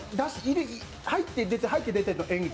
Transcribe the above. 入って出て、入って出ての演技